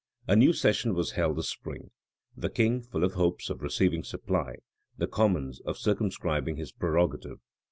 A new session was held this spring; the king, full of hopes of receiving supply; the commons, of circumscribing his prerogative.